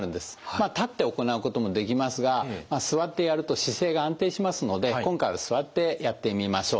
立って行うこともできますが座ってやると姿勢が安定しますので今回は座ってやってみましょう。